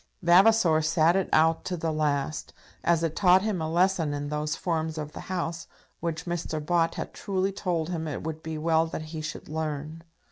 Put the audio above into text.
Vavasor sat it out to the last, as it taught him a lesson in those forms of the House which Mr. Bott had truly told him it would be well that he should learn.